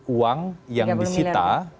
uang yang disita